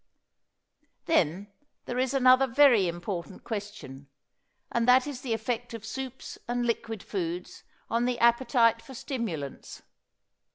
Then there is another very important question; and that is the effect of soups and liquid foods on the appetite for stimulants.